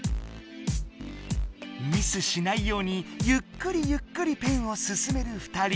ミスしないようにゆっくりゆっくりペンをすすめる二人。